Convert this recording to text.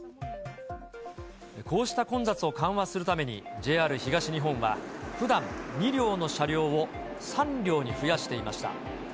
こうした混雑を緩和するために、ＪＲ東日本は、ふだん２両の車両を３両に増やしていました。